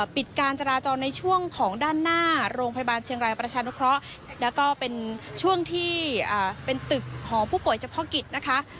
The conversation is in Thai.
ปิดการจราจรในช่วงของด้านหน้าโรงพยาบาลเชียงรายประชานุเคราะห์แล้วก็เป็นช่วงที่เป็นตึกหอผู้ป่วยเฉพาะกิจนะคะ